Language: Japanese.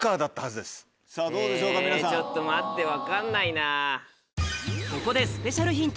ちょっと待って分かんないな。